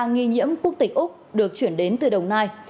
nghi nhiễm quốc tịch úc được chuyển đến từ đồng nai